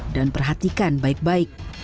dan perhatikan baik baik